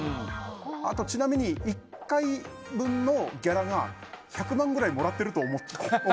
あとちなみに１回分のギャラが１００万円ぐらいもらってると思ってる。